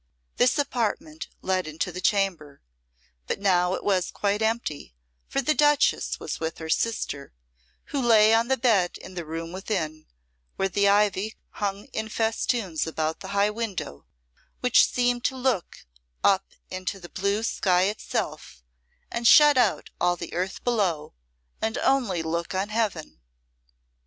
This apartment led into the chamber, but now it was quite empty, for the Duchess was with her sister, who lay on the bed in the room within, where the ivy hung in festoons about the high window, which seemed to look up into the blue sky itself and shut out all the earth below and only look on Heaven.